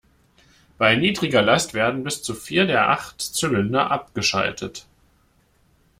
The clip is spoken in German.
Bei niedriger Last werden bis zu vier der acht Zylinder abgeschaltet.